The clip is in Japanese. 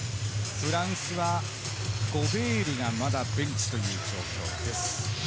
フランスはゴベールがまだベンチという状況です。